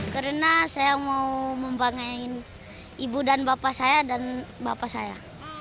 karena saya mau membangun ibu dan bapak saya dan bapak saya